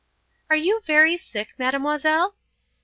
"Are you very sick, Mademoiselle?"